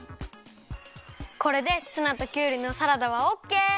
これでツナときゅうりのサラダはオッケー！